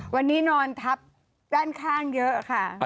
วันนี้นอนทับด้านข้างเยอะค่ะ